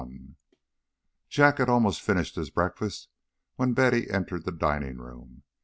XXI Jack had almost finished his breakfast when Betty entered the dining room.